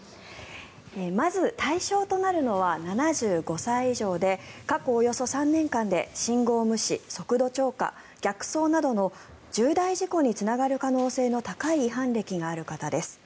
まず対象となるのは７５歳以上で過去およそ３年間で信号無視、速度超過逆走などの重大事故につながる可能性が高い違反歴のある方です。